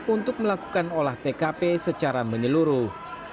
untuk melakukan olah tkp secara menyeluruh